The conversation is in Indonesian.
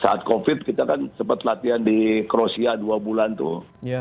saat covid kita kan sempat latihan di kroasia dua bulan tuh